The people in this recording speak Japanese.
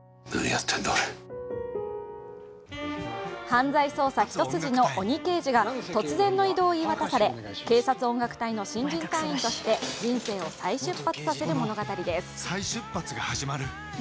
犯罪捜査一筋の鬼刑事が突然の異動を言い渡され警察音楽隊の新人隊員として人生を再出発させる物語です。